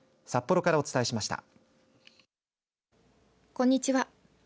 こんにちは。